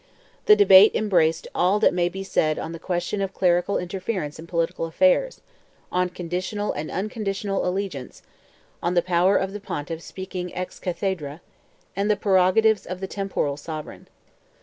The debate embraced all that may be said on the question of clerical interference in political affairs, on conditional and unconditional allegiance, on the power of the Pontiff speaking ex cathedra, and the prerogatives of the temporal sovereign.